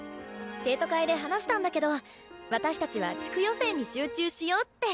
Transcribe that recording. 生徒会で話したんだけど私たちは地区予選に集中しようって。